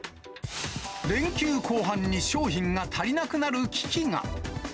連休後半に商品が足りなくなる危機が。